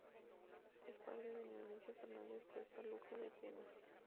Es padre de Nemesio Fernández-Cuesta Luca de Tena.